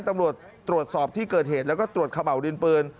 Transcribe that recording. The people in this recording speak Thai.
ตำรวจตรวจสอบที่เกิดเหตุแล้วก็ตรวจขม่าวดินปืน